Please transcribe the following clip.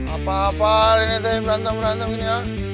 apa apaan ini deh berantem berantem gini ya